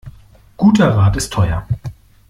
Guter Rat ist teuer.